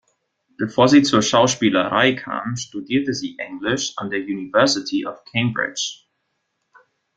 Bevor sie zur Schauspielerei kam, studierte sie Englisch an der University of Cambridge.